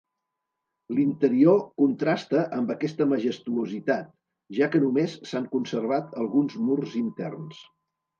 L'interior contrasta amb aquesta majestuositat, ja que només s'han conservat alguns murs interns.